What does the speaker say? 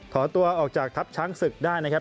ขอตัวออกจากทัพช้างศึกได้นะครับ